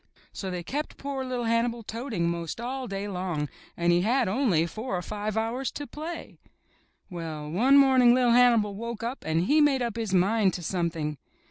So they kept poor little Hannibal toting 'most all day long, and he had only four or five hours to play. Well, one morning LVV Hannibal woke up and he made up his mind to something.